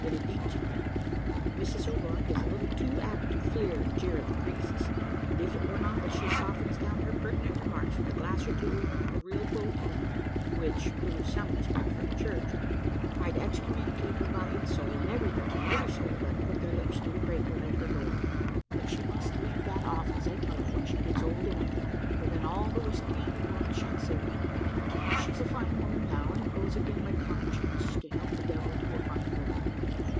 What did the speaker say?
Benedicite! Mrs O'Rourke is a little too apt to fleer and jeer at the priests; and if it were not that she softens down her pertinent remarks with a glass or two of the real poteen, which proves some respect for the church, I'd excommunicate her body and soul, and everybody, and every soul that put their lips to the cratur at her door. But she must leave that off, as I tell her, when she gets old and ugly, for then all the whisky in the world shan't save her. But she's a fine woman now, and it goes agin my conscience to help the devil to a fine woman.